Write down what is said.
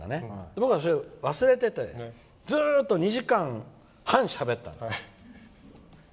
僕はそれを忘れていてずっと２時間半しゃべったの。